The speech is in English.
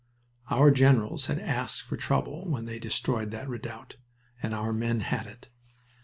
Our generals had asked for trouble when they destroyed that redoubt, and our men had it.